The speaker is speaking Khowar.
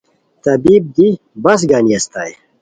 طبیب دی بس گانی استائے